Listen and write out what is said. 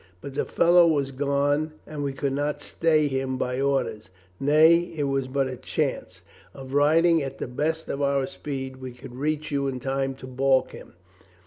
But the fellow was gone and we could not stay him by orders, nay, it was but a chance, of riding at the best of our speed, we could reach you in time to balk him.